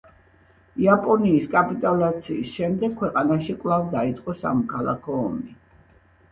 იაპონიის კაპიტულაციის შემდეგ ქვეყანაში კვლავ დაიწყო სამოქალაქო ომი.